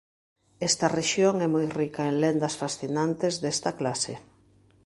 Esta rexión é moi rica en lendas fascinantes desta clase.